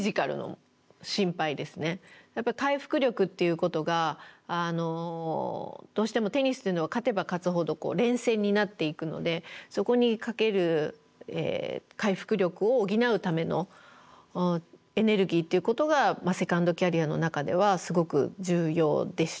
回復力っていうことがどうしてもテニスというのは勝てば勝つほど連戦になっていくのでそこにかける回復力を補うためのエネルギーっていうことがセカンドキャリアの中ではすごく重要でしたね。